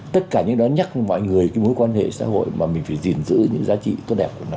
tất cả những đón nhắc mọi người cái mối quan hệ xã hội mà mình phải gìn giữ những giá trị tốt đẹp của nó